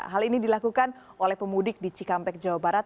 hal ini dilakukan oleh pemudik di cikampek jawa barat